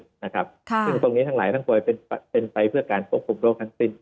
ซึ่งตรงนี้ทั้งหลายทั้งปลวยเป็นไปเพื่อการควบคุมโรคทั้งสิ้น